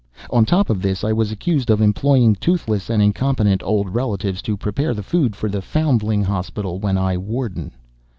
On top of this I was accused of employing toothless and incompetent old relatives to prepare the food for the foundling hospital when I was warden.